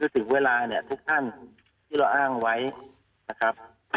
ถึงเวลาเนี่ยทุกท่านที่เราอ้างไว้นะครับ